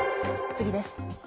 次です。